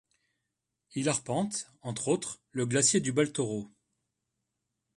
Il arpente entre autres le glacier du Baltoro.